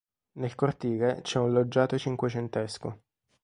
Nel cortile c'è un loggiato cinquecentesco.